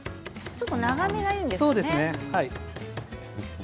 ちょっと長めがいいんですね。